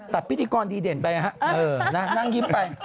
พิธีกรดีเด่นไปนะฮะนั่งยิ้มไป